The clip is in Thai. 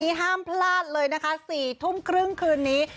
ห้ามพลาดเลยนะคะ๔ทุ่มครึ่งคืนนี้